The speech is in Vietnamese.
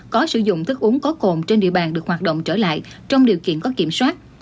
có sử dụng thức uống có cồn trên địa bàn được hoạt động trở lại trong điều kiện có kiểm soát